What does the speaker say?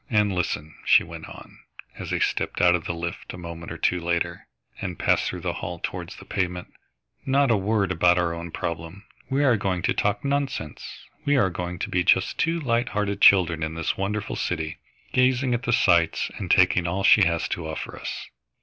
And listen," she went on, as they stepped out of the lift a moment or two later, and passed through the hall towards the pavement, "not a word about our own problem. We are going to talk nonsense. We are going to be just two light hearted children in this wonderful city, gazing at the sights and taking all she has to offer us.